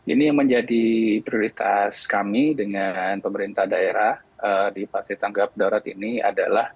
ini yang menjadi prioritas kami dengan pemerintah daerah di pasir tanggap darurat ini adalah